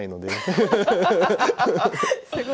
すごい。